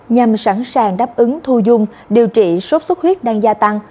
nhằm sẵn sàng đáp ứng thu dung điều trị sốt xuất huyết đang gia tăng